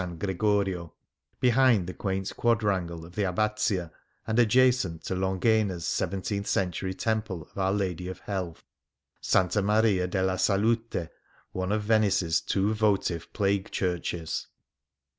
Gregorio, behind the quaint quadrangle of the Abbazia, and adjacent to Longhena^s seven teenth century temple of Our Lady of Health, Sta. Maria della Salute, one of Venice's two votive Plague Churches.